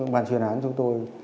ban chuyên án chúng tôi